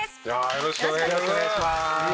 よろしくお願いします。